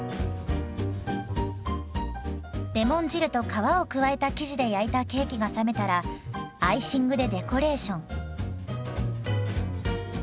レモン汁と皮を加えた生地で焼いたケーキが冷めたらアイシングでデコレーション。